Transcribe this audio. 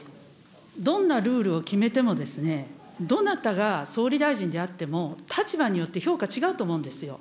どんなルールを決めても、どなたが総理大臣であっても、立場によって評価違うと思うんですよ。